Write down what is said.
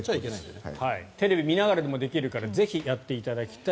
テレビを見ながらでもできるのでぜひやっていただきたい。